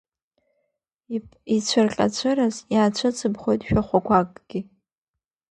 Ицәырҟьацәырас, иаацәыҵыԥхоит шәахәақәакгьы.